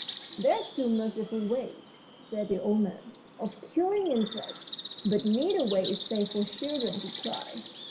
"There are two merciful ways," said the old man, "of killing insects, but neither way is safe for children to try.